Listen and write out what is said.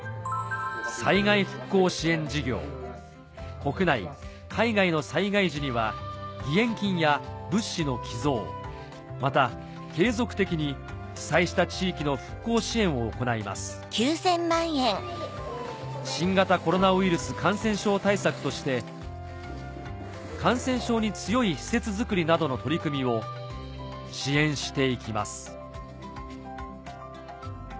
国内海外の災害時には義援金や物資の寄贈また継続的に被災した地域の復興支援を行います新型コロナウイルス感染症対策として感染症に強い施設づくりなどの取り組みを支援して行きます